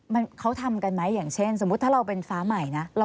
มันเขาทำกันไหมอย่างเช่นสมมุติถ้าเราเป็นฟ้าใหม่นะ